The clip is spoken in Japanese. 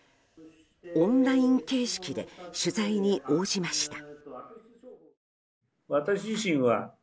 オンライン形式で取材に応じました。